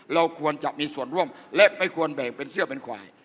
เราควรจะมีส่วนร่วมและไม่ควรแบ่งเป็นเสื้อเป็นควาย